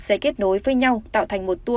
sẽ kết nối với nhau tạo thành một tour